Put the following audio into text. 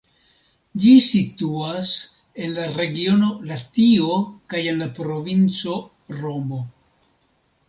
Ĝi situas en la regiono Latio kaj en la provinco Romo.